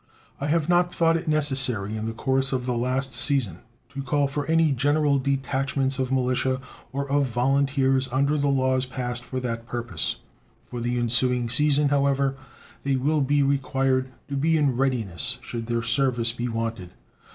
I have not thought it necessary in the course of the last season to call for any general detachments of militia or of volunteers under the laws passed for that purpose. For the ensuing season, however, they will be required to be in readiness should their service be wanted.